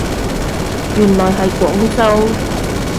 原來係廣州